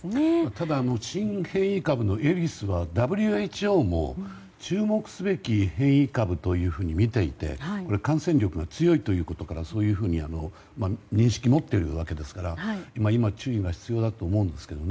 ただ、新変異株のエリスはＷＨＯも注目すべき変異株というふうにみていて感染力が強いということからそういうふうに認識を持っているわけですから今、注意が必要だと思うんですけど。